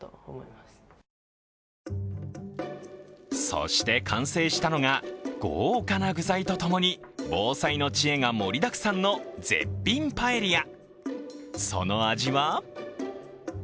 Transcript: そして、完成したのが豪華な具材と共に防災の知恵が盛りだくさんの絶品パエリア。